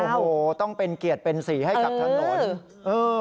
โอ้โหต้องเป็นเกียรติเป็นสีให้กับถนนเออ